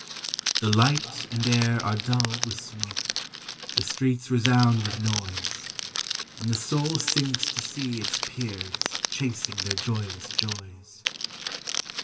The light and air are dulled with smoke: The streets resound with noise; And the soul sinks to see its peers Chasing their joyless joys.